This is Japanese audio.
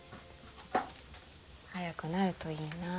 「早くなるといいな」